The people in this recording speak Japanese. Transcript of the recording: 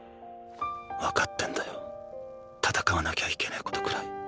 分かってんだよ戦わなきゃいけねえことくらい。